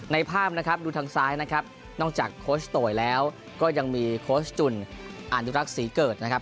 ภาพนะครับดูทางซ้ายนะครับนอกจากโค้ชโตยแล้วก็ยังมีโค้ชจุ่นอนุรักษ์ศรีเกิดนะครับ